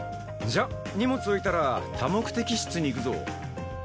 じゃあ荷物置いたら多目的室に行くぞ。